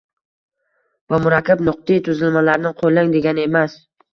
va murakkab nutqiy tuzilmalarni qo‘llang degani emas.